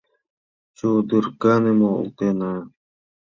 Чодырканым олтена!